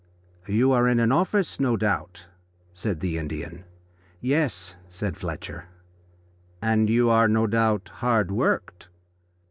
"You are in an office, no doubt," said the Indian. "Yes," said Fletcher. "And you are no doubt hard worked."